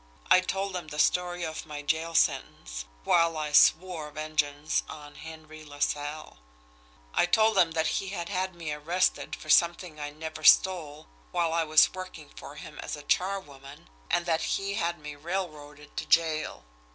I told them the story of my jail sentence while I swore vengeance on Henry LaSalle. I told them that he had had me arrested for something I never stole while I was working for him as a charwoman, and that he had had me railroaded to jail.